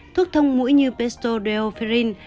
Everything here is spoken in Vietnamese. thuốc thông mũi như pestodilferin